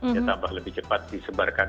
dia tambah lebih cepat disebarkan